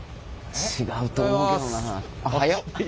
違うと思うけどな。